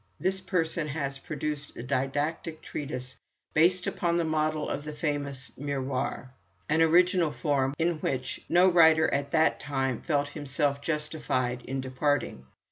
This person has produced a didactic treatise based upon the model of the famous 'Miroir,' an original from which no writer at that time felt himself justified in departing.